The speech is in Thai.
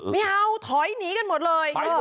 ไม่เอาถอยหนีกันหมดเลย